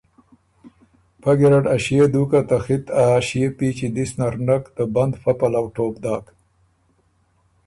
پۀ ګیرډ ا ݭيې دُوکه ته خِط ا ݭيې پیچی دِس نر نک ته بند فۀ پلؤه ټوپ داک